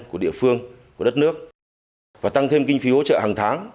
của địa phương của đất nước và tăng thêm kinh phí hỗ trợ hàng tháng